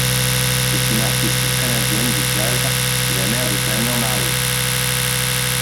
C'est une artiste canadienne de jazz et la mère de Damian Marley.